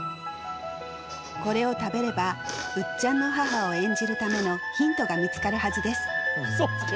これを食べればうっちゃんの母を演じるためのヒントが見つかるはずですうそつけ！